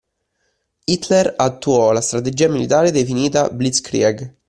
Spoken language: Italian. Hitler attuò la strategia militare definita blitzkrieg